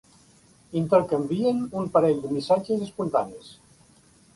Intercanvien un parell de missatges espontanis.